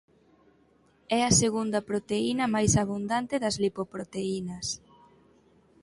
É a segunda proteína máis abundante das lipoproteínas.